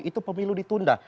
itu pemilu ditunda